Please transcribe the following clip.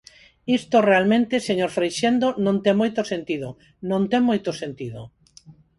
Isto realmente, señor Freixendo, non ten moito sentido, non ten moito sentido.